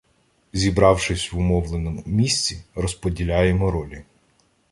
Зібравшись в умовленому місці, розподіляємо ролі.